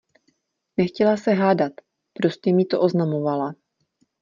Nechtěla se hádat, prostě mi to oznamovala.